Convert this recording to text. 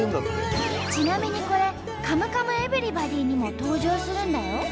ちなみにこれ「カムカムエヴリバディ」にも登場するんだよ。